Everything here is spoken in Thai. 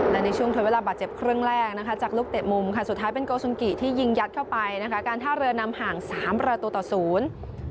และในช่วงทดเวลาบาดเจ็บครึ่งแรกนะคะจากลูกเตะมุมค่ะสุดท้ายเป็นโกสุนกิที่ยิงยัดเข้าไปนะคะการท่าเรือนำห่างสามประตูต่อศูนย์